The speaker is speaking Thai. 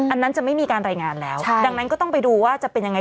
อันนั้นจะไม่มีการรายงานแล้วดังนั้นก็ต้องไปดูว่าจะเป็นยังไง